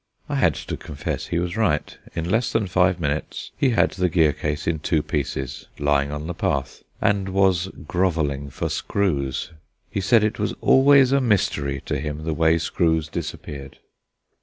I had to confess he was right. In less than five minutes he had the gear case in two pieces, lying on the path, and was grovelling for screws. He said it was always a mystery to him the way screws disappeared.